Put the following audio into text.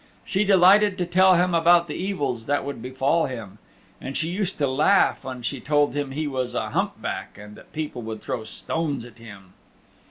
She delighted to tell him about the evils that would befall him. And she used to laugh when she told him he was a hump back and that people would throw stones at him.